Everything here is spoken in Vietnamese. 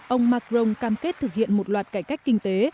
ông macron cam kết thực hiện một loạt cải cách kinh tế